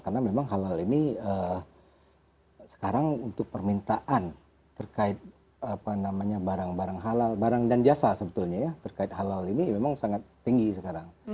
karena memang halal ini sekarang untuk permintaan terkait barang barang halal barang dan jasa sebetulnya ya terkait halal ini memang sangat tinggi sekarang